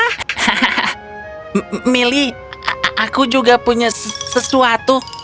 hahaha m milly aku juga punya s sesuatu